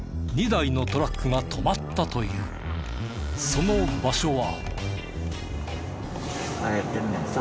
その場所は。